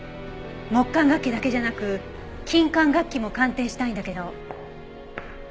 木管楽器だけじゃなく金管楽器も鑑定したいんだけど。